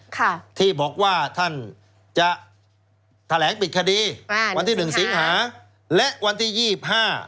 ค่ะที่บอกว่าท่านจะแถลงปิดคดีอ่าวันที่หนึ่งสิงหาและวันที่ยี่สิบห้า